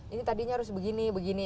ini tadinya harus begini begini